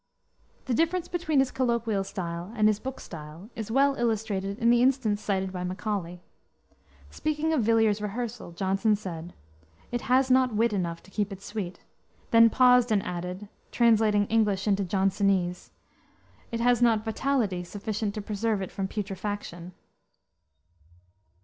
The difference between his colloquial style and his book style is well illustrated in the instance cited by Macaulay. Speaking of Villier's Rehearsal, Johnson said, "It has not wit enough to keep it sweet;" then paused and added translating English into Johnsonese "it has not vitality sufficient to preserve it from putrefaction."